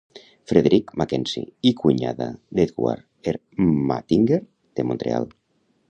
Frederick Mackenzie i cunyada d'Edward Ermatinger, de Montreal.